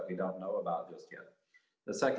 untuk bagian dari publik